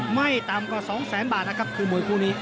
ไม่ต่ำกว่า๒แสนบาทนะครับคือมวยคู่นี้